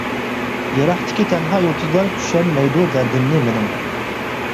يىراقتىكى تەنھا يۇلتۇزلار، چۈشەنمەيدۇ دەردىمنى مېنىڭ!